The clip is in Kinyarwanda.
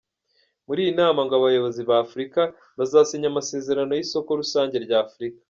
Muri iyi nama ngo abayobozi ba Africa bazasinya amasezerano y’isoko rusange rya Africa.